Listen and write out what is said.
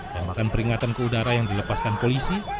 dan bahkan peringatan ke udara yang dilepaskan polisi